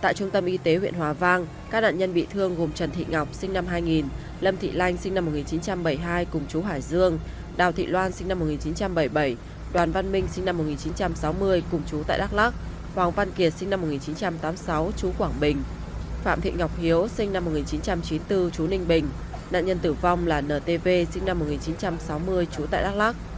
tại trung tâm y tế huyện hòa vang các nạn nhân bị thương gồm trần thị ngọc sinh năm hai nghìn lâm thị lanh sinh năm một nghìn chín trăm bảy mươi hai cùng chú hải dương đào thị loan sinh năm một nghìn chín trăm bảy mươi bảy đoàn văn minh sinh năm một nghìn chín trăm sáu mươi cùng chú tại đắk lắc hoàng văn kiệt sinh năm một nghìn chín trăm tám mươi sáu chú quảng bình phạm thị ngọc hiếu sinh năm một nghìn chín trăm chín mươi bốn chú ninh bình nạn nhân tử vong là ntv sinh năm một nghìn chín trăm sáu mươi chú tại đắk lắc